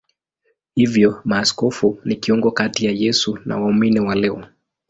Hivyo maaskofu ni kiungo kati ya Yesu na waumini wa leo.